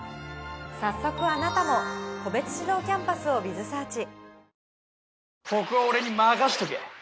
早速あなたも個別指導キャンパスをｂｉｚｓｅａｒｃｈ。